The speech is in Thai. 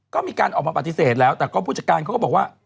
ก็มีการออกมาปฏิเสธแล้วแต่ก็ผู้จัดการเขาก็บอกว่า